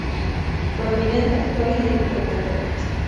Prominente actor y director teatral.